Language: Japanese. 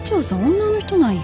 女の人なんや。